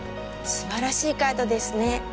すばらしいカードですね